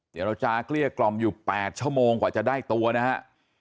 เจรจาเกลี้ยกล่อมอยู่๘ชั่วโมงกว่าจะได้ตัวนะฮะ